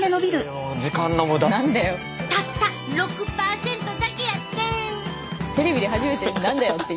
たった６％だけやってん！